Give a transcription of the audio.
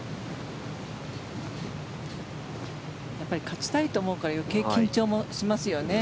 勝ちたいと思うから余計緊張しますよね。